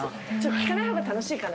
聞かない方が楽しいかな？